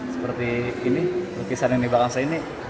seperti ini lukisan yang dibangsa ini